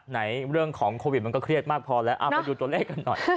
เรื่องของโควิดมันก็เครียดมากพอแล้วเอาไปดูตัวเลขกันหน่อย